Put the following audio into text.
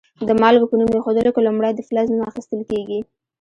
د مالګو په نوم ایښودلو کې لومړی د فلز نوم اخیستل کیږي.